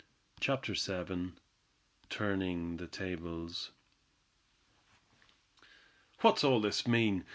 CHAPTER VII. TURNING THE TABLES. "What's all this mean?"